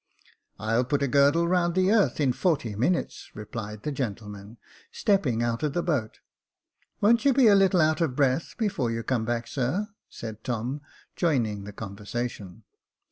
*' I'll put a girdle round the earth in forty minutes," re plied the gentleman, stepping out of the boat. "Won't you be a little out of breath before you come back, sir ?" said Tom, joining the conversation.